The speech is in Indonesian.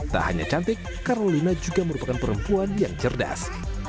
tak hanya cantik carolina juga merupakan perempuan yang cerdas